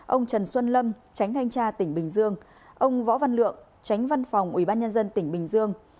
ông trần xuân lâm tránh thanh tra tỉnh bình dương ông võ văn lượng tránh văn phòng ubnd tỉnh bình dương